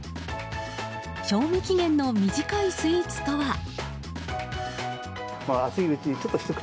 賞味期限の短いスイーツとは。